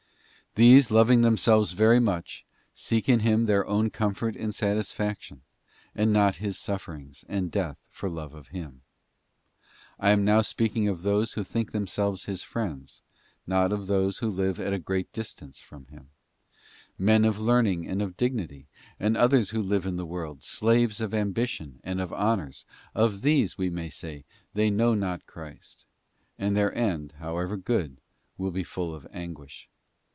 These, loving themselves very much, seek in Him their own comfort and satisfaction, and not His sufferings and death for love of Him. I am now speaking of those who think them selves His friends, not of those who live at a great distance from Him; men of learning and of dignity, and others who live in the world, slaves of ambition and of honours—of these, we may say, they know not Christ; and their end, however good, will be full of anguish.